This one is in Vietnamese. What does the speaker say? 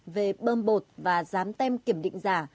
về bơm bột và rán tem kiểm định giả